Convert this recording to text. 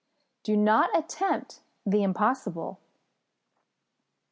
_Do not attempt the impossible.